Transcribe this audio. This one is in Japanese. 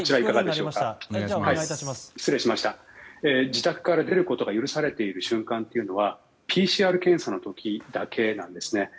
自宅から出ることが許されている瞬間というのはＰＣＲ検査の時だけなんですね。